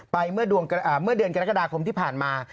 เมื่อเดือนกรกฎาคมที่ผ่านมา